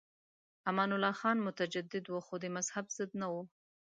امان الله خان متجدد و خو د مذهب ضد نه و.